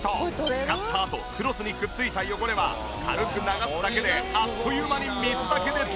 使ったあとクロスにくっついた汚れは軽く流すだけであっという間に水だけでどんどんきれいに。